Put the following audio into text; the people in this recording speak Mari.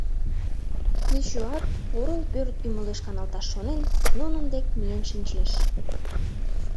Мичуат, орол пӧрт ӱмылеш каналташ шонен, нунын дек миен шинчеш.